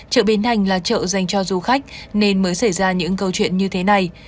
chợ bến thành là chợ dành cho du khách nên mới xảy ra những câu chuyện như thế này